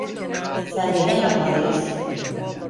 Sence ne yapmalıyız?